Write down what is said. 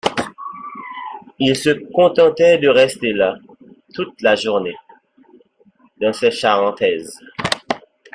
Il se contentait de rester là, toute la journée, dans ses charentaises